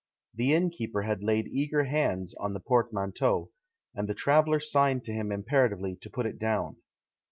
The innkeeper had laid eager hands on the portmanteau, and the traveller signed to him imperatively to put it down.